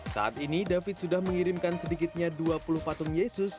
saat ini david sudah mengirimkan sedikitnya dua puluh patung yesus